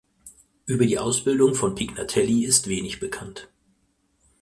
Über die Ausbildung von Pignatelli ist wenig bekannt.